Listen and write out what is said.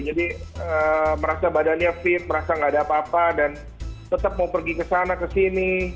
jadi merasa badannya fit merasa nggak ada apa apa dan tetap mau pergi kesana kesini